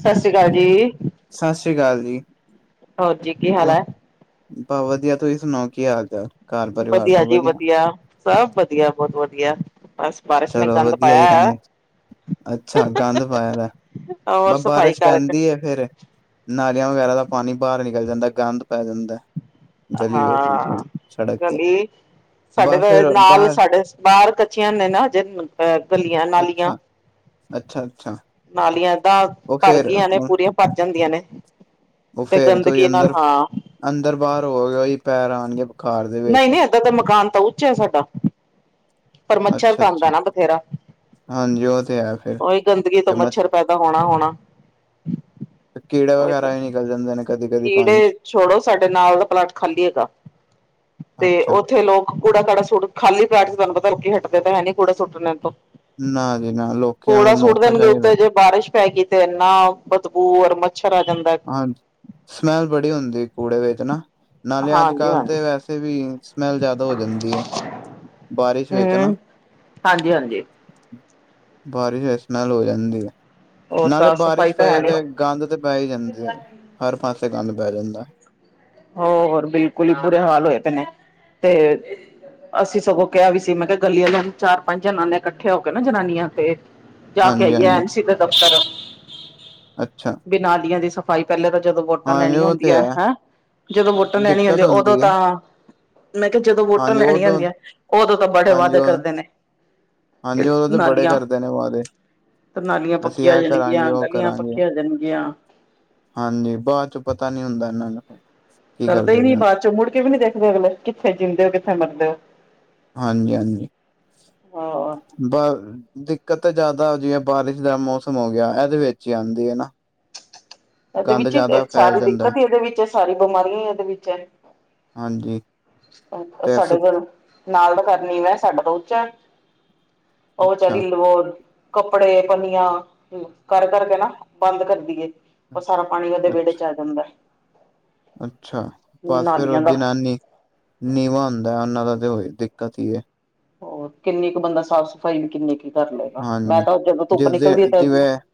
ਸਤਿ ਸ੍ਰੀ ਅਕਾਲ ਜੀ, ਸਤਿ ਸ੍ਰੀ ਅਕਾਲ ਜੀ। ਹੋਰ ਜੀ ਕੀ ਹਾਲ ਹੋਰ ਹੈ। ਬਸ ਵਧੀਆ ਤੁਸੀਂ ਸੁਣਾਓ ਕੀ ਹਾਲ ਚਾਲ। ਘਰ ਪਰਿਵਾਰ ਵਧੀਆ ਸਭ ਜੀ ਵਧੀਆ, ਸਭ ਵਧੀਆ, ਬਹੁਤ ਵਧੀਆ। ਬਸ ਬਾਰਿਸ਼ ਨੇ ਚਲੋ ਗੰਦ ਵਧੀਆ ਪਾਇਆ ਹੀ ਹੋਇਆ। ਰਹਿੰਦੇ। ਅੱਛਾ ਗੰਦ ਪਾਇਆ ਦਾ ਔਰ ਬਸ ਸਫ਼ਾਈ ਬਾਰਿਸ਼ ਕਰ ਪੈਂਦੀ ਹੈ ਫੇਰ। ਨਾਲੀਆਂ ਵਗੈਰਾ ਦਾ ਪਾਣੀ ਬਾਹਰ ਨਿਕਲ ਜਾਂਦਾ, ਗੰਦ ਪੈ ਜਾਂਦਾ। ਗਲੀ ਵਿੱਚ ਜਿਵੇਂ ਹਾਂ ਸੜਕ ਤੇ ਗਲੀ ਸਾਡੇ ਬ ਘ ਫੇਰ ਲਾਲ ਬਾਹਰ ਸਾਡੇ। ਬਾਹਰ ਕੱਚੀਆਂ ਨੇ ਨਾ ਅਜੇ ਗਲੀਆਂ ਨਾਲੀਆਂ, ਅੱਛਾ ਅੱਛਾ ਅੱਛਾ, ਨਾਲੀਆਂ ਏਦਾਂ ਉਹ ਭਰ ਫੇਰ ਗਈਆਂ ਨੇ ਉਹ ਪੂਰੀਆਂ ਭਰ ਜਾਂਦੀਆਂ ਨੇ, ਤੇ ਫੇਰ ਤੁਸੀਂ ਗੰਦਗੀ ਨਾਲ ਅੰਦਰ ਹਾਂ, ਅੰਦਰ ਬਾਹਰ ਹੋ ਵੀ ਪੈਰ ਆਣਗੇ, ਨਹੀਂ ਨਹੀਂ ਏਦਾਂ ਦਾ ਮਕਾਨ ਤਾਂ ਉੱਚ ਹੈ ਸਾਡਾ ਪਰ ਮੱਛਰ ਅੱਛਾ ਤਾਂ ਆਦਾ ਅੱਛਾ ਨਾ ਬਥੇਰਾ, ਹਾਂਜੀ ਉਹ ਤੇ ਹੈ ਉਹੀ ਗੰਦਗੀ ਤੋਂ ਮੱਛਰ ਪੈਦਾ ਹੋਣਾ ਹੋਣਾ, [unintelligible] ਕੀੜਾ ਵਗੈਰਾ ਵੀ ਨਿਕਲ ਜਾਂਦੇ ਨੇ ਕਦੀ ਕਦੀ ਪਾਣੀ ਕੀੜੇ ਚ, ਛੋੜੋ ਸਾਡੇ ਨਾਲ ਦਾ ਪਲਾਟ ਖਾਲੀ ਹੈਗਾ। ਤੇ ਅੱਛਾ ਉੱਥੇ ਲੋਕ ਕੂੜਾ ਕਾੜਾ ਸੁਟ ਖਾਲੀ ਪੈਟ ਚ ਤੁਹਾਨੂੰ ਪਤਾ ਲੋਕੀ ਹਟਦੇ ਤੇ ਹੈ ਨੀ ਕੂੜਾ ਸੁੱਟਣੇ ਤੋਂ, ਨਾ ਜੀ ਨਾ ਲੋਕੀਆਂ ਕੂੜਾ ਨੂੰ ਸੁੱਟ ਮੌਕਾ ਦੇਣਗੇ ਚਾਹੀਦਾ, ਉੱਤੇ ਜੇ ਬਾਰਿਸ਼ ਪੈ ਗਈ ਤੇ ਇੰਨਾ ਬਦਬੂ ਔਰ ਮੱਛਰ ਆ ਜਾਂਦਾ, ਹਾਂਜੀ ਸਮੈਲ ਬੜੀ ਹੁੰਦੀ ਕੂੜੇ ਵਿੱਚ ਨਾ, ਨਾਲੇ ਅੱਜ ਹਾਂਜੀ ਕੱਲ ਹਾਂਜੀ ਤੇ ਵੈਸੇ ਵੀ ਸਮੈਲ ਜ਼ਿਆਦਾ ਹੋ ਜਾਂਦੀ ਹੈ, ਬਾਰਿਸ਼ ਵਿੱਚ ਨਾ, ਕੀ ਹਾਂਜੀ, ਬਾਰਿਸ਼ ਵ ਸਮੈਲ ਹੋ ਜਾਂਦੀ ਹੈ ਹੋਰ ਨਾਲੇ ਸਾਫ਼ ਸਫ਼ਾਈ ਬਾਰਿਸ਼ ਤਾਂ ਹੈ ਪਏ ਨੀ। ਤੇ, ਗੰਦ ਤੇ ਪੈ ਹੀ ਜਾਂਦੀ ਐ ਹਰ ਪਾਸੇ ਗੰਦ ਪੈ ਜਾਂਦਾ, ਐ ਹੋਰ ਬਿਲਕੁਲ ਹੀ ਬੁਰੇ ਹਾਲ ਹੋਏ ਪਏ ਨੇ ਤੇ, ਅਸੀਂ ਸਗੋਂ ਕਿਹਾ ਵੀ ਸੀ ਮੈਂ ਕਿਹਾ ਗਲੀਆਂ ਚਾਰ ਪੰਜ ਜਨ ਨੇ ਇਕੱਠੇ ਹੋ ਕੇ ਨਾ ਜਨਾਨੀਆਂ ਤੇ, ਜਾ ਕੇ ਹਾਂਜੀ ਆਈਏ ਹਾਂਜੀ ਐਨ ਸੀ ਦੇ ਦਫ਼ਤਰ ਅੱਛਾ ਬਿ ਨਾਲੀਆ ਦੀਆਂ ਦੀ ਸਫ਼ਾਈ ਪਹਿਲੇ ਤਾਂ ਜਦੋਂ ਵੋਟਾਂ ਹਾਂਜੀ ਲੈਣੀਆਂ ਉਹ ਤੇ ਹੁੰਦੀਆਂ ਹੈ ਹੈਂ ਜਦੋਂ ਵੋਟਾਂ ਲੈਣੀ ਹੁੰਦੀ ਦਿੱਕਤ ਉਦੋਂ ਹੈ ਤਾਂ, ਮੈਂ ਕਿਹਾ ਜਦੋਂ ਵੋਟਾਂ ਹਾਂਜੀ ਲੈਣੀਆਂ ਉਦੋਂ ਹੁੰਦੀਆਂ ਉਦੋਂ ਤਾਂ ਬੜੇ ਹਾਂਜੀ ਵਾਅਦੇ ਉਹ ਕਰਦੇ ਨੇ, ਹਾਂਜੀ ਉਹਦੋਂ ਤਾਂ ਬੜੇ ਕਰਦੇ ਨੇ ਵਾਦੇ, ਤਨਾਲੀਆਂ ਪੱਕੀਆਂ ਹੋ ਜਾਣਗੀਆਂ ਗਲੀਆਂ ਕਰਾਂਗੇ ਪੱਕੀਆਂ ਹੋ ਜਾਣਗੀਆਂ, ਹਾਂਜੀ ਬਾਅਦ ਚ ਪਤਾ ਨੀ ਹੁੰਦਾ ਇਹਨਾਂ ਦਾ ਕਰਦੇ ਹੀ ਨੀ ਬਾਅਦ ਚੋਂ ਮੁੜ ਕੇ ਵੀ ਨੀ ਦੇਖਦੇ ਅਗਲੇ ਕਿੱਥੇ ਜਿਦੇ ਹੋ ਕਿੱਥੇ ਮਰਦੇ ਹੋ, ਹਾਂਜੀ ਹਾਂਜੀ, ਹਾਂ [unintelligible] ਹੋਅ ਬ ਦਿੱਕਤ ਤਾਂ ਜ਼ਿਆਦਾ ਜਿ ਬਾਰਿਸ਼ ਦਾ ਮੌਸਮ ਹੋ ਗਿਆ ਇਹਦੇ ਵਿੱਚ ਹੀ ਆਉਂਦੀ ਹੈ ਨਾ, [unintelligible] ਇਹਦੇ ਵਿੱਚ ਜ਼ਿਆਦਾ ਫੈਲ ਸਾਰੀ ਜਾਂਦਾ ਦਿੱਕਤ ਹੀ ਇਹਦੇ ਵਿੱਚ ਸਾਰੀ ਬਿਮਾਰੀਆਂ ਹੀ ਇਹਦੇ ਵਿੱਚ, ਐ ਹਾਂਜੀ ਅ ਤੇ ਸੁ ਸਾਡੇ ਕੋਲ, ਨਾਲ ਦਾ ਘ ਮੈਂ ਸਾਡਾ ਤੋ ਉੱਚਾ ਉਹ ਵਿਚਚਾਰੀ ਅੱਛਾ। ਲ, ਵੋ ਕੱਪੜੇ ਪੰਨੀਆਂ ਕਰ ਕਰ ਕੇ ਨਾ ਬੰਦ ਕਰਦੀ, ਏ ਉਹ ਸਾਰਾ ਪਾਣੀ ਉਹਦੇ ਅੱਛਾ ਵਿਹੜੇ ਚ ਆ ਜਾਂਦਾ, ਅੱਛਾ ਪਰ ਫੇਰ ਔ ਨਾਲੀਆਂ ਦਾ। ਜਨਾਨੀ, ਨੀਵਾਂ ਹੁੰਦਾ ਉਹਨਾਂ ਦਾ ਤੇ ਹੋ ਦਿੱਕਤ ਹੀ ਏ, ਹੋਰ ਕਿੰਨੀ ਕੁ ਬੰਦਾ ਸਾਫ਼ ਸਫ਼ਾਈ ਵੀ ਕਿੰਨੀ ਕੁ ਕਰ ਲਏਗਾ ਮੈਂ ਹਾਂਜੀ। ਤਾਂ ਜਦੋਂ ਧੁੱਪ ਜਿਸਦੇ ਨਿਕਲਦੀ ਹੈ ਤੇ [unintelligible]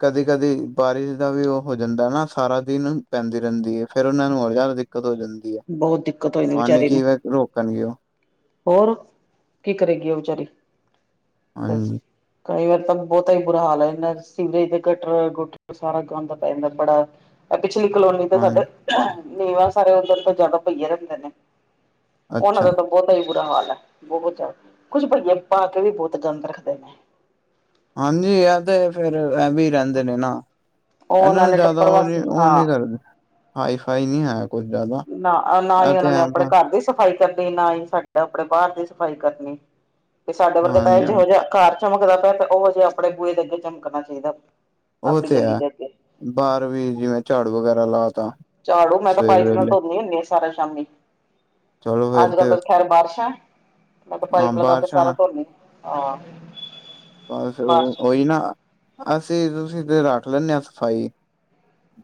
ਕਦੀ ਕਦੀ ਬਾਰਿਸ਼ ਦਾ ਵੀ ਉਹ ਹੋ ਜਾਂਦਾ ਨਾ ਸਾਰਾ ਦਿਨ ਪੈਂਦੀ ਰਹਿੰਦੀ ਹੈ ਫੇਰ ਉਹਨਾਂ ਨੂੰ ਹੋਰ ਜ਼ਿਆਦਾ ਦਿੱਕਤ ਹੋ ਜਾਂਦੀ। ਬਹੁਤ ਦਿੱਕਤ ਹੋਈ ਪਾਣੀ ਵਿਚਾਰੀ ਨੂੰ ਕੀਵੇ ਰੋਕਣਗੇ ਉਹ ਹੋਰ, ਕੀ ਕਰੇਗੀ ਆ ਵਿਚਾਰੀ, ਬਸ। ਹਾਂਜੀ ਕਈ ਵਾਰ ਤਾਂ ਬਹੁਤਾ ਹੀ ਬੁਰਾ ਹਾਲ ਹੈ ਇਨਾ ਸੀਵਰੇਜ ਤੇ ਘੱਟਟ ਸਾਰਾ ਗੰਦ ਪੈ ਜਾਂਦਾ ਬੜਾ। ਪਿਛਲੀ ਕਲੋਨੀ ਤਾਂ ਹਾਂ ਸਾਡੇ, ਨੀਵਾਂ ਸਾਰੇ ਉਧਰ ਤੋਂ ਜ਼ਿਆਦਾ ਪਈਆ ਰਹਿੰਦੇ ਨੇ। ਉਹਨਾਂ ਅੱਛਾ ਦਾ ਤਾਂ ਬਹੁਤਾ ਹੀ ਬੁਰਾ ਹਾਲ ਹੈ ਬਹੁਤਿਆ, ਕੁੱਝ ਭਈਆ ਪਾ ਕੇ ਵੀ ਬਹੁਤ ਗੰਦ ਰੱਖਦੇ ਨੇ। ਹਾਂਜੀ। ਇਹ ਤੇ ਫੇਰ ਇਹ ਵੀ ਰਹਿੰਦੇ ਨੇ ਨਾ। ਉਹ ਇਹਨਾਂ ਉਹਨਾਂ ਨੂੰ ਨੇ ਜ਼ਿਆਦਾ ਟੱਪਰ ਉਹ ਨੀ ਵਾਸਤੇ ਉਹ ਨਹੀਂ ਹਾਂ ਕਰਦੇ, ਹਾਈ ਫਾਈ ਨਹੀਂ ਹੈ। ਕੁੱਝ ਜ਼ਿਆਦਾ ਨਾ- ਨਾ ਇਹ ਹੀ ਤੇ ਉਹਨਾਂ ਨੇ ਹੈ ਆਪਣੇ ਵਾ ਘਰ ਦੀ ਸਫ਼ਾਈ ਕਰਨੀ ਨਾ ਹੀ ਸਾਡਾ ਆਪਣੇ ਬਾਹਰ ਦੀ ਸਫ਼ਾਈ ਕਰਨੀ, ਤੇ ਸਾਡੇ ਵਰਗੇ ਤਾਂ ਹਾਂਜੀ ਇਹ ਹਾਂ ਜਿੋ ਜਿਹਾ ਘਰ ਚਮਕਦਾ ਪਿਆ ਤੇ ਉਹ ਹਜੇ ਆਪਣੇ ਬੂਹੇ ਦੇ ਅੱਗੇ ਚਮਕਣਾ ਚਾਹੀਦਾ। ਉਹ ਆਪਣੀ ਤੇ ਗਲੀ ਹੈ, ਦੇ ਅੱਗੇ ਬਾਹਰ ਵੀ ਜਿਵੇਂ ਝਾੜੂ ਵਗੈਰਾ ਲਾ, ਤਾ ਝਾੜੂ ਸਵੇਰ ਵੇਲੇ ਮੈਂ ਗਾ ਸਾਰਾ ਸ਼ਾਮੀ। ਚਲੋ ਫੇਰ ਅੱਜ ਤੇ ਕੱਲ ਤਾਂ ਖੈਰ ਬਾਰਿਸ਼ ਹੈ। ਮੈਂ ਤਾਂ ਪਾਈ ਹਾਂ ਪਲਦਾ ਤੇ ਬਾਰਿਸ਼ਾਂ ਸਾਰਾ ਨਾ ਧੋਨੀ ਹਾਂ। ਬਸ ਉਹ ਬਾਰਿਸ਼ ਉਹੀ ਨਾ, ਅਸੀਂ ਤੁਸੀਂ ਤੇ ਰੱਖ ਲੈਂਦੇ ਹਾਂ ਸਫਾਈ।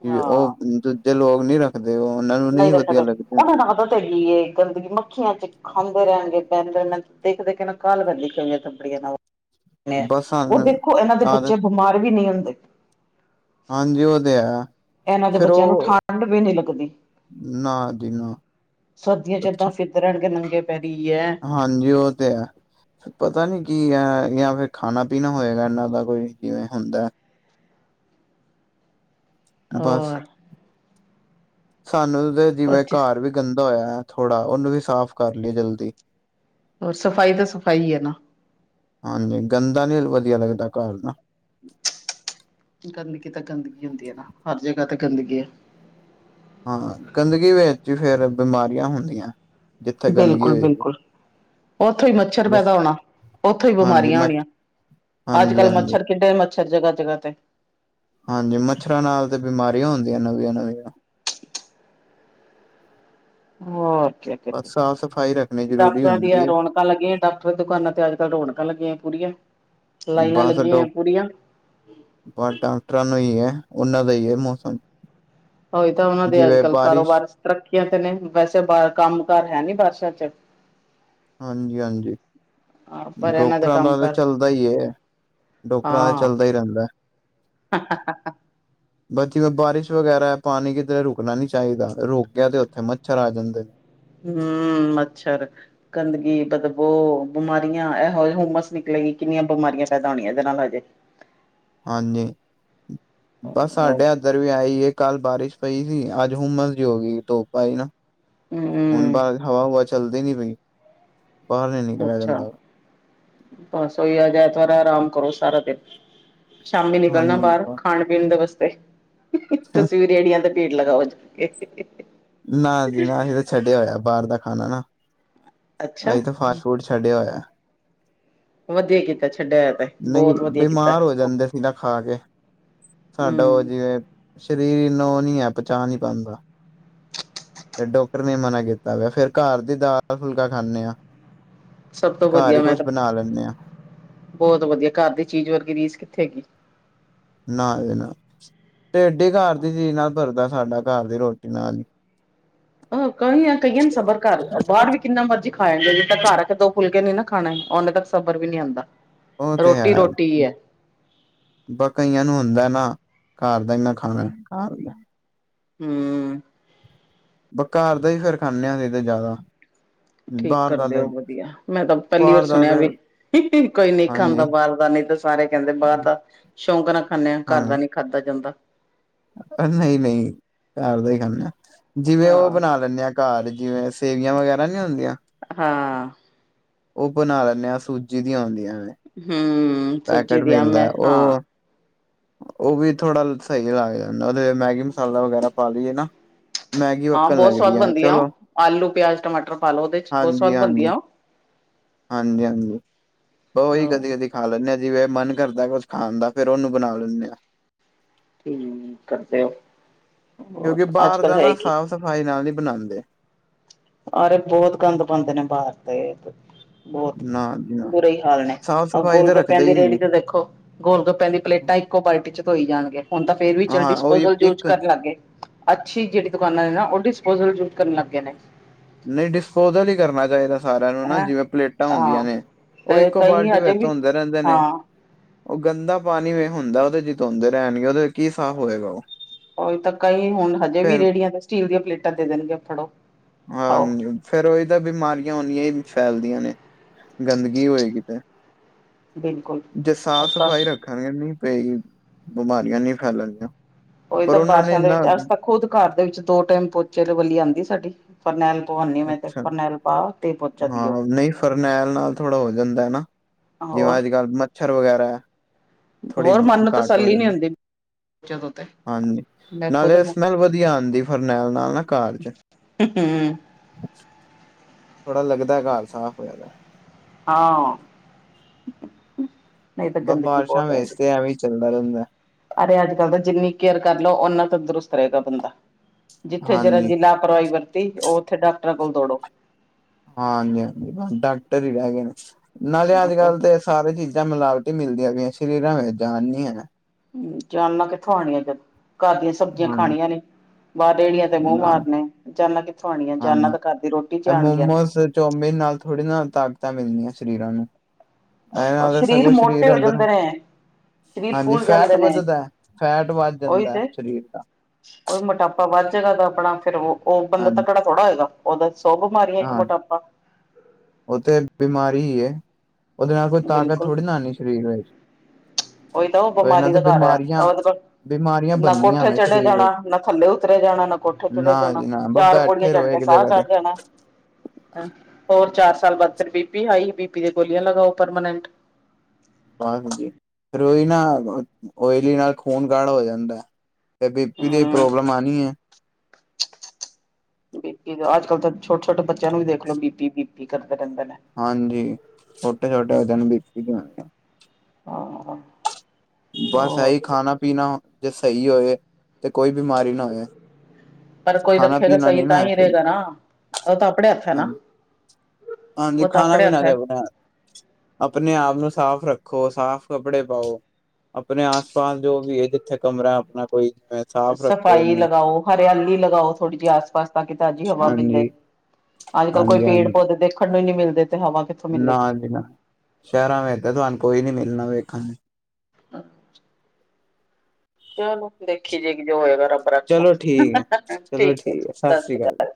ਜੇ ਉਹ ਹਾਂ ਦੂਜੇ ਲੋਕ ਨਹੀ ਰੱਖਦੇ ਉਹਨਾਂ ਨੂੰ ਨਹੀਂ ਵਧੀਆ ਲੱਗਦੇ। ਗੀ ਏ, ਗੰਦਗੀ ਮੱਖੀਆਂ ਚ' ਖਾਂਦੇ ਰਹਿਣਗੇ, ਬਹਿੰਦੇ ਗ [unintelligible] ਦੇਖਦੇ ਕ ਨਾ ਕਾਹ ਬੰਦੀ। ਹੇ ਨੇ, ਬਸ ਉਹ ਸਾਨੂੰ ਦੇਖੋ ਇਹਨਾਂ ਦੇ ਆਦਤ ਬੱਚੇ ਬਿਮਾਰ ਵੀ ਨਹੀਂ ਹੁੰਦੇ। ਹਾਂਜੀ ਉਹ ਤੇ ਆ। ਇਹਨਾਂ ਦੇ ਬੱਚਿਆਂ ਨੂੰ ਠੰਡ ਵੀ ਨਹੀਂ ਲੱਗਦੀ। ਨਾ ਜੀ ਨਾ ਸਰਦੀਆਂ 'ਚ ਏਦਾਂ ਫਿਰ ਤੁਰਨ ਗੇ ਨੰਗੇ ਪੈਰੀ ਹੈ। ਹਾਂਜੀ ਉਹ ਤੇ ਹੈ। ਪਤਾ ਨੀ ਕੀ ਆ ਜਾਂ ਫਿਰ ਖਾਣਾ- ਪੀਣਾ ਹੋਏਗਾ ਇਨਾ ਦਾ ਕੋਈ ਜਿਵੇਂ ਹੁੰਦਾ। ਬਸ ਔਰ ਸਾਨੂੰ ਤੇ ਹੋਰ ਜਿਵੇਂ ਚੀਜ਼ ਘਰ ਵਿੱਚ ਗੰਦਾ ਹੋਇਆ ਥੋੜਾ ਉਹਨੂੰ ਵੀ ਸਾਫ਼ ਕਰ ਲਈਏ ਜਲਦੀ। ਹੋਰ ਸਫ਼ਾਈ ਤਾਂ ਸਫ਼ਾਈ ਹੀ ਹੈ ਨਾ। ਹਾਂਜੀ, ਗੰਦਾ ਨੀ ਵਧੀਆ ਲੱਗਦਾ ਘਰ ਨਾ। ਗੰਦਗੀ ਤਾਂ ਗੰਦਗੀ ਹੁੰਦੀ ਹੈ ਨਾ, ਹਰ ਜਗ੍ਹਾ ਤੇ ਗੰਦਗੀ ਹੈ। ਹਾਂ, ਗੰਦਗੀ ਵਿੱਚ ਹੀ ਫੇਰ ਬਿਮਾਰੀਆਂ ਹੁੰਦੀਆਂ। ਜਿੱਥੇ ਗੰਦਗੀ ਬਿਲਕੁਲ- ਹੋਏਗੀ ਬਿਲਕੁਲ। ਉੱਥੋਂ ਹੀ ਮੱਛਰ ਜਿਸ ਪੈਦਾ ਹੋਣਾ, ਉੱਥੋਂ ਹੀ ਹਾਂਜੀ ਬਿਮਾਰੀਆਂ ਮ ਹੋਣੀਆਂ। ਅੱਜ ਹਾਂਜੀ ਕੱਲ੍ਹ ਹਾਂਜੀ ਮੱਛਰ ਕਿੱਡੇ ਮੱਛਰ ਜਗ੍ਹਾ-ਜਗ੍ਹਾ ਤੇ। ਹਾਂਜੀ। ਮੱਛਰਾਂ ਨਾਲ ਤੇ ਬਿਮਾਰੀਆਂ ਹੁੰਦੀਆਂ ਨਵੀਆਂ- ਨਵੀਆਂ। ਔਰ ਕੀ। ਬਸ ਸਾਫ਼- ਸਫ਼ਾਈ ਰੱਖਣੀ ਜ਼ਰੂਰੀ ਡਾਕਟਰਾਂ ਦੀਆਂ ਹੁੰਦੀ ਹੈ ਰੌਣਕਾਂ ਲੱਗੀਆਂ। ਡਾਕਟਰਾਂ ਦੁਕਾਨਾਂ ਤੇ ਅੱਜ ਕੱਲ ਰੌਣਕਾਂ ਲੱਗੀਆਂ ਪੂਰੀਆਂ। ਲਾਈਨਾਂ ਲੱਗੀਆਂ ਪੂਰੀਆਂ। ਪਰ ਡਾਕਟਰਾਂ ਨੂੰ ਹੀ ਹੈ, ਉਹਨਾਂ ਦਾ ਹੀ ਹੈ ਮੌਸਮ। ਉਹੀ ਤਾਂ ਉਹਨਾਂ ਦੇ ਅੱਜ ਜਿਵੇਂ ਕੱਲ ਬਾਰਿਸ਼ ਕਾਰੋਬਾਰ ਤਰੱਕੀਆਂ ਤੇ ਨੇ, ਵੈਸੇ ਭਾਰ ਕੰਮ ਕਾਰ ਹੈ ਨੀ ਬਾਰਿਸ਼ਾਂ ਚ'। ਹਾਂਜੀ- ਹਾਂਜੀ। ਹਾਂ ਪਰ ਇਹਨਾਂ ਡੋਕਟਰਾਂ ਕੰਮ ਦਾ ਤਾਂ ਕਾਰ ਚੱਲਦਾ ਹੀ। ਡੋਕਟਰਾਂ ਦਾ ਚੱਲਦਾ ਹੀ ਰਹਿੰਦਾ ਹਾਂ। ਹਾਂ- ਹ- ਹਾ। - [inaudible] ਬਸ ਜਿਵੇਂ ਬਾਰਿਸ਼ ਵਗੈਰਾ ਪਾਣੀ ਕਿਧਰ ਰੁਕਣਾ ਨੀ ਚਾਹੀਦਾ, ਰੁਕਿਆ ਤੇ ਉੱਥੇ ਮੱਛਰ ਆ ਜਾਂਦੇ ਨੇ। ਹੂ- ਮੱਛਰ ਗੰਦਗੀ, ਬਦਬੋ ਬਿਮਾਰੀਆਂ ਇਹੋ ਜਿ ਹੁਮਸ ਨਿਕਲੇਗੀ, ਕਿੰਨੀਆਂ ਬਿਮਾਰੀਆਂ ਫ ਹੋਣੀਆਂ ਇਹਦੇ ਨਾਲ ਹਜੇ। ਹਾਂਜੀ ਹਾਂਜੀ ਬਸ ਸਾਡੇ। ਇੱਧਰ ਵੀ ਆਈ ਹੈ, ਕੱਲ੍ਹ ਬਾਰਿਸ਼ ਪਈ ਸੀ, ਅੱਜ ਹੁੰਮਸ ਜੀ ਹੋ ਗਈ ਧੋਪ ਆਈ ਨਾ। ਹਮਮ। ਹੁਣ ਭਾਰ ਹਵਾ ਹੁਵਾ ਚੱਲਦੀ ਨੀ ਪਈ। ਬਾਹਰ ਨੀ ਨਿਕਲਿਆ ਅੱਛਾ ਜਾਂਦਾ ਬਸ ਓਇ ਆ ਜਾ ਐਤਵਾਰ ਹਾ ਆਰਾਮ ਕਰੋ ਸਾਰਾ ਦਿਨ। ਸ਼ਾਮੀ ਨਿਕਲਣਾ ਹਾਂਜੀ ਬਾਹਰ ਖਾਣ ਪੀਣ ਦੇ ਵਾਸਤੇ, ਤੁਸੀਂ ਵੀ ਰਿਹੜੀਆਂ ਤੇ। ਭੀੜ ਲੱਗਾ ਬਚ ਕੇ। ਨਾ ਜੀ ਨਾ ਅਸੀਂ ਤਾਂ ਛੱਡਿਆ ਹੋਇਆ ਬਾਹਰ ਦਾ ਖਾਣਾ। ਨਾ ਅੱਛਾ ਅਸੀਂ ਤਾਂ ਫ। ਫੂਡ ਛੱਡਿਆ ਹੋਇਆ ਹਾਂ। ਵਧੀਆ ਕੀਤਾ ਛੱਡਿਆ ਹੋਇਆ ਤੇ ਨਹੀਂ। ਬਹੁਤ ਵਧੀਆ ਕੀਤਾ ਬਿਮਾਰ ਹੋ ਜਾਂਦੇ ਸੀ ਨਾ ਖਾ ਕੇ। ਸਾਡਾ ਉਹ ਹੂੰ ਜਿਵੇਂ ਸਰੀਰ ਨੂੰ ਉਹ ਨੀ ਹੈ, ਪਚਾ ਨਹੀਂ ਪਾਉਂਦਾ। ਤੇ ਡਾਕਟਰ ਨੇ ਮਨਾ ਕੀਤਾ ਵਾ ਫੇਰ ਘਰ ਦੀ ਦਾਲ ਫੁਲਕਾ ਖਾਂਨੇ ਆਂ। ਸਭ ਤੋਂ ਘਰ ਵਧੀਆ ਹੀ ਮੈਂ ਕੁਛ ਤਾਂ ਬਣਾ ਲੈਂਦੇ ਆਂ। ਬਹੁਤ ਵਧੀਆ। ਘਰ ਦੀ ਚੀਜ਼ ਵਰਗੀ ਰੀਸ ਕਿੱਥੇ ਹੈਗੀ। ਨਾ ਦੇ ਨਾ ਤੁਹਾਡੇ ਘਰ ਦੀ ਚੀਜ਼ ਨਾਲ ਸਰਦਾ। ਸਾਡਾ ਘਰ ਦੀ ਰੋਟੀ ਨਾਲ ਹੀ। ਅਹ ਕਈ ਨ ਕਈ ਸਬਰ ਕਰ ਬਾਰ ਵੀ ਕਿੰਨਾ ਮਰਜੀ ਖਾਇਆ ਜਾਵੇ, ਤ ਘਰ ਆ ਕੇ ਦੋ ਫੁਲਕੇ ਨੀ ਨਾ ਖਾਣਾ, ਓਨੇ ਤੱਕ ਸਬਰ ਵੀ ਨਹੀਂ ਆਉਂਦਾ ਉਹ ਰੋਟੀ ਰੋਟੀ ਹੈ। ਬਸ ਕਈਆਂ ਨੂੰ ਹੁੰਦਾ ਨਾ, ਘਰ ਦਾ ਹੀ ਨਾ ਖਾਣਾ ਘਰ ਦਾ ਹੂੰਅ ਬ ਘਰ ਦਾ ਫੇਰ ਖਾਂਦੇ ਹਾਂ ਤੇ ਜ਼ਿਆਦਾ। ਠੀਕ ਬਾਹਰ ਦਾ ਕਰਦੇ ਤੇ ਹੋ ਵਧੀਆ, ਮੈਂ ਤਾਂ ਪਹਿਲੀ ਵਾਰ ਬਾਹਰ ਦਾ ਸੁਣਿਆ ਤੇ ਵੀ ਕੋਈ ਨਹੀਂ ਹਾਂਜੀ ਖਾਂਦਾ ਬਾਹਰ ਦਾ ਨਹੀਂ ਤੇ ਸਾਰੇ ਕਹਿੰਦੇ ਬਾਹਰ ਦਾ ਸ਼ੌਂਕ ਨਾ ਖਾਂਦੇ ਹਾਂ ਘਰ ਦਾ ਨੀ। ਖਾਧਾ ਜਾਂਦਾ। ਨਹੀਂ ਨਹੀਂ ਘਰ ਦਾ ਹੀ ਖਾਂਦਾ। ਜਿਵੇਂ ਉਹ ਹਾਂ ਬਣਾ ਲੈਂਦੇ ਆ ਘਰ ਜਿਵੇਂ ਸੇਵੀਆਂ ਵਗੈਰਾ ਨੀ ਹੁੰਦੀਆਂ। ਹਾਂ। ਉਹ ਬਣਾ ਲੈਂਦੇ ਹਾਂ ਸੂਜੀ ਦੀਆਂ ਆਉਂਦੀਆਂ ਹੂੰਅ ਪੈਕੇਟ ਮਿਲਦਾ, ਉਹ ਉਹ ਵੀ ਥੋੜਾ ਸਹੀ ਲੱਗ ਜਾਂਦਾ। ਉਹਦੇ ਮੈਗੀ ਮਸਾਲਾ ਵਗੈਰਾ ਪਾ ਲਈਏ ਨਾ, ਮੈਗੀ ਹਾਂ ਵੱਕਣ ਬਹੁਤ ਲੱਗਦੀ ਸਵਾਦ ਹੈ, ਬਣਦੀ ਆ ਚਲੋ ਉਹ ਆਲੂ ਪਿਆਜ ਟਮਾਟਰ ਪਾ ਲੋ ਉਹਦੇ ਚ ਬਹੁਤ ਹਾਂਜੀ ਸਵਾਦ ਬਣਦੀ ਹਾਂਜੀ। ਆ ਉਹ ਹਾਂਜੀ ਹਾਂਜੀ ਬਸ ਉਹ ਵੀ ਆਹੋ ਕਦੀ ਕਦੀ ਖਾ ਲੈਂਦੇ ਹਾਂ ਜਿਵੇਂ ਮਨ ਕਰਦਾ ਕੁਛ ਖਾਣ ਦਾ ਫੇਰ ਉਹਨੂੰ ਬਣਾ ਲੈਂਦੇ ਹਾਂ। ਹਮ ਕਰਦੇ ਹੋ। ਕਿਉਂਕਿ ਹੋਰ ਅੱਜ ਬਾਹਰ ਕੱਲ ਦਾ ਨਾ, ਹੈਗੀ ਸਾਫ਼ ਸਫ਼ਾਈ ਨਾਲ ਨਹੀਂ ਬਣਾਉਂਦੇ। ਅਰੇ ਬਹੁਤ ਗੰਦ ਪਾਉਦੇ ਨੇ ਬਾਹਰ ਦੇ। ਨਾ। ਜੀ ਨਾ ਬੁੁਰੇ ਹੀ ਹਾਲ ਨੇ, ਸਾਫ਼ ਇਹ ਸਫ਼ਾਈ ਗੋਲ ਤਾਂ ਗੱਪਿਆਂ ਰੱਖਦੇ ਦੀ ਹੀ ਰੇਹੜੀ ਨਹੀਂ ਤੇ ਦੇਖੋ ਗੋਲ ਗੱਪਿਆਂ ਦੀ ਪਲੇਟਾਂ ਇੱਕੋ ਬਾਲਟੀ ਚ ਧੋਈ ਜਾਣਗੇ, ਹੁਣ ਤਾਂ ਫੇਰ ਵੀ ਚੱਲ ਹਾਂ ਉਹੀ ਡਿਸਪੋਜਲ ਯੂਜ ਇੱਕ ਕਰਨ ਲੱਗ ਗਏ ਅੱਛੀ ਜਿਹੜੀ ਦੁਕਾਨਾਂ ਨੇ ਨਾ, ਉਹ ਡਿਸਪੋਜਲ ਯੂਜ ਕਰਨ ਲੱਗਗੇ ਨੇ। ਨਹੀਂ, ਡਿਸਪੋਜਲ ਹੀ ਕਰਨਾ ਚਾਹੀਦਾ। ਸਾਰਿਆਂ ਨੂੰ ਨਾ ਹੈਂ ਜਿਵੇਂ ਪਲੇਟਾਂ ਹਾਂ ਹੁੰਦੀਆਂ ਨੇ, ਉਹ ਤੇ ਇੱਕੋ ਕਈ ਬਾਲਟੀ ਹਜੇ ਵਿੱਚ ਵੀ ਧੋੰਦੇ ਰਹਿੰਦੇ ਨੇ, ਹਾਂ ਉਹ ਗੰਦਾ ਪਾਣੀ ਵੇ ਹੁੰਦਾ ਉਹਦੇ ਚ ਧੋੰਦੇ ਰਹਿਣਗੇ, ਉਹਦੇ ਚ ਕੀ ਸਾਫ਼ ਹੋਏਗਾ, ਉਹ ਉਹੀ ਤਾਂ ਕਈ ਹੁਣ ਹਜੇ ਵੀ ਫੇਰ ਰੇਹੜੀਆਂ ਤੇ ਸਟੀਲ ਦੀਆਂ ਪਲੇਟਾਂ ਦੇ ਦੇਣਗੇ ਫੜੋ। ਖਾਓ ਹਾਂਜੀ ਫੇਰ ਉਹੀ ਤਾਂ ਬਿਮਾਰੀਆਂ ਓਨੀਆਂ ਹੀ ਫੈਲਦੀਆਂ ਨੇ ਗੰਦਗੀ ਹੋਏ ਕਿਤੇ ਬਿਲਕੁਲ ਜੇ ਸਾਫ਼ ਆਪਾਂ ਸਫ਼ਾਈ ਰੱਖ ਖਣ ਨੀ ਪਈ ਬਿਮਾਰੀਆਂ ਨੀ ਫੈਲਣੀਆਂ ਉਹੀ ਤਾਂ ਬਾਰਿਸ਼ਾਂ ਦੇ ਵਿੱਚ ਅੱਸੀ ਤਾਂ ਖੁਦ ਘਰ ਦੇ ਵਿੱਚ ਦੋ ਟਾਈਮ ਪੋਚੇ ਵਾਲੀ ਆਉਂਦੀ ਸਾਡੀ ਫਰਨੈਲ ਪਵਾਉਂਦੀ ਮੈਂ ਤੇ ਅੱਛਾ ਫਰਨੈਲ ਪਾ ਤੇ ਪੋਚਾ ਹਾਂ ਦਿਓ ਨਹੀਂ ਫਰਨੈਲ ਨਾਲ ਥੋੜ੍ਹਾ ਹੋ ਜਾਂਦਾ ਐ ਨਾ ਜਿਵੇਂ ਹੋਰ ਅੱਜ ਕੱਲ੍ਹ ਮੱਛਰ ਵਗੈਰਾ ਥੋੜ੍ਹੀ ਘਟ ਹੋ ਜਾਂਦੇ ਹੋ [unintelligible] ਹਾਂਜੀ ਨਾਲੇ ਸਮੈਲ ਵਧੀਆ ਆਉਂਦੀ ਫਰਨੈਲ ਨਾਲ ਨਾ ਘਾਰ ਚ ਹੁੰ ਹੂੰ ਥੋੜਾ ਲੱਗਦਾ ਘਰ ਸਾਫ਼ ਹੋਇਆ ਹਾਂ ਨਹੀਂ ਤਾਂ ਬ ਗੰਦਗੀ ਬਾਰਿਸ਼ਾਂ ਬਹੁਤ ਵੇਚ ਰਹਿੰਦੀ ਤੇ ਐਵੇਂ ਈ ਚੱਲਦਾ ਰਹਿੰਦਾ ਅਰੇ ਅੱਜ ਕੱਲ ਦਾ ਜਿੰਨੀ ਕੇਅਰ ਕਰ ਲਓ ਓਨਾ ਤੰਦਰੁਸਤ ਰਹੇਗਾ ਬੰਦਾ ਜਿੱਥੇ ਜਰਾ ਹਾਂਜੀ ਜ਼ਿਨਾ ਪਰਾਈ ਵਰਤੀ ਉਹ ਉੱਥੇ ਡਾਕਟਰ ਕੋਲ ਦੌੜੋ ਹਾਂਜੀ ਹਾਂਜੀ ਬਸ ਡਾਕਟਰ ਹੀ ਰਹਿ ਗਏ ਨੇ ਨਾਲੇ ਅੱਜ ਕੱਲ ਤੇ ਸਾਰੇ ਚੀਜ਼ਾਂ ਮਿਲਾਵਟੀ ਮਿਲਦੀਆਂ ਪਈਆਂ ਸਰੀਰਾਂ ਵਿੱਚ ਜਾਣ ਨੀ ਐ ਜਾਨਾ ਕਿੱਥੋਂ ਆਣੀਆਂ ਜਦੋਂ ਘਰ ਦੀਆਂ ਸਬਜ਼ੀਆਂ ਹਾਂਜੀ ਖਾਣੀਆਂ ਨੇ ਬਾਹਰ ਜਿਹੜੀਆਂ ਬਾਹਰ ਤੇ ਮੂੰਹ ਮਾਰਨੇ ਜਾਨਾ ਕਿੱਥੋਂ ਆਉਣੀਆਂ ਜਾਨਾ ਤਾਂ ਘਰ ਦੀ ਰੋਟੀ ਚੱ ਆਣਗੀਆਂ ਨਾ ਚਾਊਮਿਨ ਨਾਲ ਥੋੜ੍ਹੀ ਨਾ ਤਾਕਤਾਂ ਮਿਲਦੀਆਂ ਸਰੀਰਾਂ ਨੂੰ ਇਹਦੇ ਨਾਲ ਤਾਂ ਸਗੋਂ ਮੋਟੇ ਸਰੀਰ ਹੋ ਅੰਦਰ ਜਾਂਦੇ ਨੇ ਸਰੀਰ ਹਾਂਜੀ ਫੁੱਲ ਫੈਟ ਜਾਂਦੇ ਨੇ ਵੱਧਦਾ ਫੈਟ ਵੱਧ ਉਹੀ ਜਾਂਦਾ ਤੇ ਸਰੀਰ ਦਾ ਉਹੀ ਮੋਟਾਪਾ ਵੱਧ ਜਾਏਗਾ ਤਾਂ ਆਪਣਾ ਫਿਰ ਉਹ ਬੰਦਾ ਹਾਂਜੀ ਤਕੜਾ ਥੋੜਾ ਹੋਏਗਾ ਉਹਦਾ ਸਭ ਬਿਮਾਰੀ ਇੱਕ ਹਾਂ ਮੋਟਾਪਾ ਉਹ ਤੇ ਬਿਮਾਰੀ ਉਹਦੇ ਨਾਲ ਕੋਈ ਤਾਕਤ ਬਿਲਕੁਲ ਥੋੜੀ ਨਾ ਆਉਣੀ ਸਰੀਰ ਵਿੱਚ ਉਹੀ ਤਾਂ ਉਹ ਇਹਨਾਂ ਬਿਮਾਰੀ ਤੇ ਦਾ ਘਰ ਐ ਬਿਮਾਰੀਆਂ [unintelligible] ਬਿਮਾਰੀਆਂ ਨਾ ਬਣਨੀਆਂ ਕੋਠੇ ਵੇ ਚੜ੍ਹੇ ਸਰੀਰ ਜਾਣਾ ਵਿੱਚ ਨਾ ਥੱਲੇ ਉਤਰੇ ਜਾਣਾ ਨਾ ਕੋਠੇ ਨਾ ਚੜ੍ਹੇ ਜਾਣਾ ਜੀ ਨਾ ਬਸ ਚਾਰ ਪੌੜੀਆਂ ਬੈਠੇ ਚੜ ਰਹੋ ਕੇ ਇੱਕ ਸਾਹ ਜਗ੍ਹਾ ਚੜ ਤੇ ਜਾਣਾ [unintelligible] [unintelligible] ਹੋਰ ਚਾਰ ਸਾਲ ਬਾਅਦ ਫਿਰ ਬੀ ਪੀ ਹਾਈ ਫਿਰ ਬੀ ਪੀ ਦੀਆਂ ਗੋਲੀਆਂ ਲਗਾਓ ਪਰਮਾਨੈਂਟ ਬਸ ਜੀ ਫਿਰ ਉਹੀ ਨਾ ਓਇਲੀ ਨਾਲ ਖੂਨ ਗਾੜਾ ਹੋ ਜਾਂਦਾ ਤੇ ਬੀ ਪੀ ਦੀ ਹੂੰ ਪ੍ਰੋਬਲਮ ਆਣੀ ਏ ਬੀਪੀ ਅੱਜ ਕੱਲ੍ਹ ਤਾਂ ਛੋਟੇ ਛੋਟੇ ਬੱਚਿਆਂ ਨੂੰ ਵੀ ਦੇਖ ਲੋ ਬੀਪੀ ਬੀਪੀ ਕਰਦੇ ਰਹਿੰਦੇ ਨੇ ਹਾਂਜੀ ਛੋਟੇ ਛੋਟੇ ਹਨ ਬੀਪੀ ਦੀਆਂ ਹਾਂ [unintelligible] ਬਸ ਹੋਰ ਇਹੀ ਖਾਣਾ ਪੀਣਾ ਜੇ ਸਹੀ ਹੋਏ ਤੇ ਕੋਈ ਬਿਮਾਰੀ ਨਾ ਹੋਏ ਪਰ ਕੋਈ ਖਾਣਾ ਰੱਖੇਗਾ ਪੀਣਾ ਸਹੀ ਨੀ ਨਾ ਤਾਂ ਹੈ ਹੀ ਸਹੀ ਰਹੇਗਾ ਨਾ ਉਹ ਤਾਂ ਆਪਣੇ ਹੱਥ ਹੈ ਨਾ ਹਾਂਜੀ ਹਾਂਜੀ ਉਹ ਤਾਂ ਖਾਣਾ ਆਪਣੇ ਹੱਥ ਪੀਣਾ ਤੇ ਹੈ। ਆਪਣਾ ਆਪਣੇ ਆਪ ਨੂੰ ਸਾਫ਼ ਰੱਖੋ ਸਾਫ਼ ਕੱਪੜੇ ਪਾਓ ਆਪਣੇ ਆਸ ਪਾਸ ਜੋ ਵੀ ਹੈ ਜਿੱਥੇ ਕਮਰਾ ਆਪਣਾ ਕੋਈ ਸਾਫ਼ ਰੱਖੋ ਸਫ਼ਾਈ ਉਹਨੂੰ ਲਗਾਓ ਹਰਿਆਲੀ ਲਗਾਓ ਥੋੜੀ ਜਿਹੀ ਆਸ ਪਾਸ ਤਾਂ ਕਿ ਤਾਜ਼ੀ ਹਵਾ ਮਿਲੇ ਹਾਂਜੀ ਅੱਜ ਕੱਲ ਕੋਈ ਹਾਂਜੀ ਪੇੜ ਹਾਂਜੀ ਪੌਦੇ ਦੇਖਣ ਨੂੰ ਹੀ ਨੀ ਮਿਲਦੇ ਤੇ ਹਵਾ ਕਿ ਨਾ ਜੀ ਨਾ ਸ਼ਹਿਰਾਂ ਵਿੱਚ ਤਾਂ ਤੁਹਾਨੂੰ ਕੋਈ ਨੀ ਮਿਲਣਾ ਵੇਖਣ ਨੂੰ ਅਹ [unintelligible] ਚਲੋ ਦੇਖੀ ਜਾਏਗੀ ਜੋ ਹੋਏਗਾ ਰੱਬ ਰੱਖਾ ਚਲੋ ਠੀਕ ਹੈ, ਚਲੋ ਠੀਕ ਐ ਠੀਕ ਹੈ, ਜੀ ਸਤਿ ਸ੍ਰੀ ਅਕਾਲ